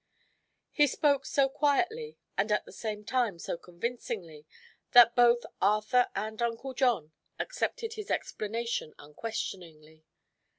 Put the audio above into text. He spoke so quietly and at the same time so convincingly that both Arthur and Uncle John accepted his explanation unquestioningly.